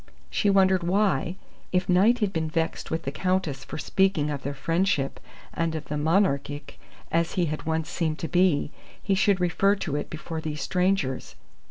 She wondered why, if Knight had been vexed with the Countess for speaking of their friendship and of the Monarchic, as he had once seemed to be, he should refer to it before these strangers.